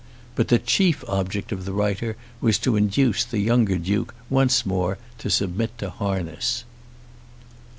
But the chief object of the writer was to induce the younger Duke once more to submit to harness.